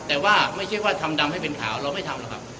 แต่ว่าไม่ใช่ว่าทำดำให้เป็นขาวเราไม่ทำหรอกครับ